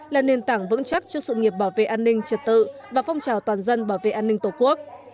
là nền tảng vững chắc cho sự nghiệp bảo vệ an ninh trật tự và phong trào toàn dân bảo vệ an ninh tổ quốc